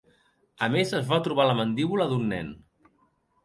A més, es va trobar la mandíbula d'un nen.